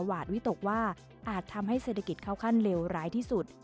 วาดวิตกว่าอาจทำให้เศรษฐกิจเข้าขั้นเลวร้ายที่สุด